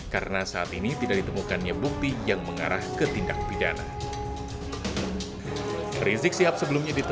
karena saat ini tidak ditemukannya bukti yang mengarah ke tindak tersebut